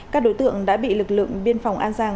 các đối tượng đã bị lực lượng biên phòng an giang